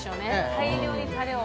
大量にタレを。